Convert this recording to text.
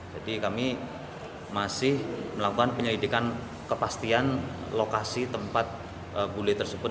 jadi kami masih melakukan penyelidikan kepastian lokasi tempat bule tersebut